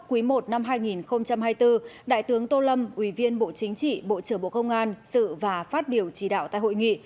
quý i năm hai nghìn hai mươi bốn đại tướng tô lâm ủy viên bộ chính trị bộ trưởng bộ công an sự và phát biểu chỉ đạo tại hội nghị